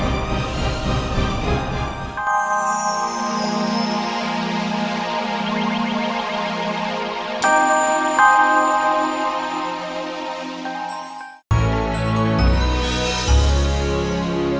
yang selalu berterima kasih untuk semua orang